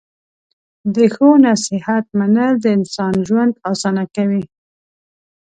د ښو نصیحت منل د انسان ژوند اسانه کوي.